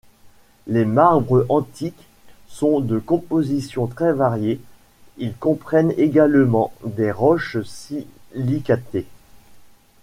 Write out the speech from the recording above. Les marbres antiques sont de composition très variée, ils comprennent également des roches silicatées.